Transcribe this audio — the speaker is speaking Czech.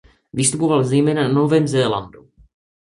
Vystupoval zejména na Novém Zélandu.